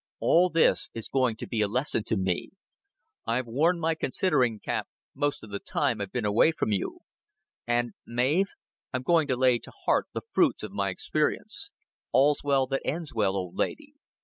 "All this is going to be a lesson to me. I've worn my considering cap most of the time I've been away from you and, Mav, I'm going to lay to heart the fruits of my experience. All's well that ends well, old lady.